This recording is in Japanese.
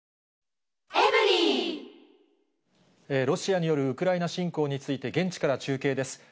ロシアによるウクライナ侵攻について、現地から中継です。